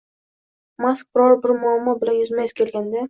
Mask biror-bir muammo bilan yuzma-yuz kelganda